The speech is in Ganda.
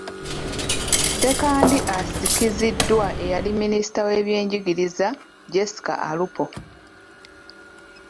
Ssekandi asikiziddwa eyali minisita w’ebyenjigiriza, Jessica Alupo.